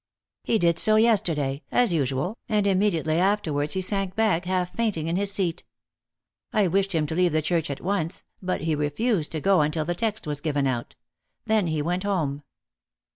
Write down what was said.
He did so yesterday, as usual, and immediately afterwards he sank back half fainting in his seat. I wished him to leave the church at once, but he refused to go until the text was given out. Then he went home."